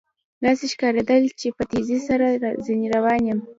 داسې ښکارېدل چې په تېزۍ سره ځنې روان یم.